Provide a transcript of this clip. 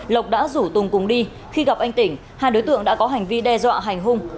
lộc đã rủ tùng cùng đi khi gặp anh tỉnh hai đối tượng đã có hành vi đe dọa hành hung